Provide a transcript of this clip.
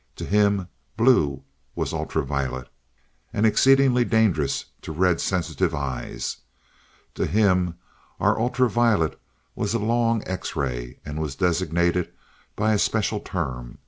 To him, blue was ultra violet, and exceedingly dangerous to red sensitive eyes. To him, our ultra violet was a long X ray, and was designated by a special term.